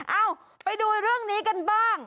เอ้าไปดูเรื่องนี้กันบ้าง